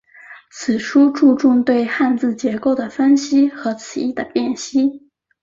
此书注重对汉字结构的分析和词义的辨析。